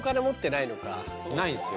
ないんですよ。